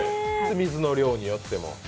水の量によっても。